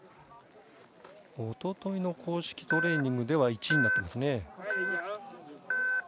おとといの公式トレーニングでは１位になっていますね。